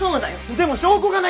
でも証拠がないって。